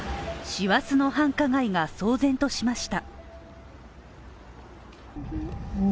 師走の繁華街が騒然としました。